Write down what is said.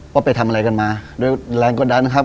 ไปทำอะไรกันมาด้วยแรงกดดันนะครับ